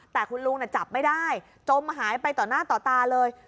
แต่คุณลุงจับไม่ได้จมหายไปต่อหน้าต่อตาเลย